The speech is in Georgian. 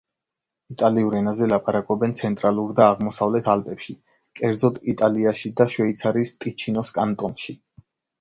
იტალიურ ენაზე ლაპარაკობენ ცენტრალურ და აღმოსავლეთ ალპებში, კერძოდ, იტალიაში და შვეიცარიის ტიჩინოს კანტონში.